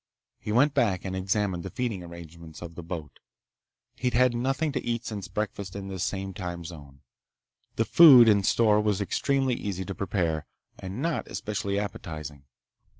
He went back and examined the feeding arrangements of the boat. He'd had nothing to eat since breakfast in this same time zone. The food in store was extremely easy to prepare and not especially appetizing.